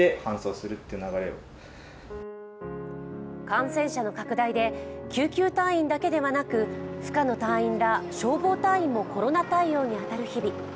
感染者の拡大で救急隊員だけではなく、深野隊員ら消防隊員もコロナ対応にあたる日々。